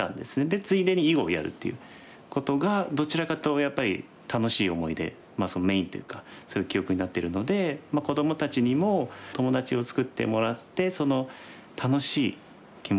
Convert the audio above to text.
でついでに囲碁をやるっていうことがどちらかというとやっぱり楽しい思い出そのメインというかそういう記憶になってるのでさてカンカン先生の力強い味方からメッセージです。